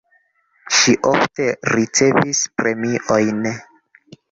Ŝi ofte ricevis premiojn.